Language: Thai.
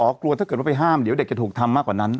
กลัวถ้าเกิดว่าไปห้ามเดี๋ยวเด็กจะถูกทำมากกว่านั้น